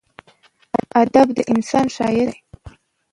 ادب د انسان ښایست دی.